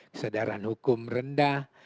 kesadaran hukum rendah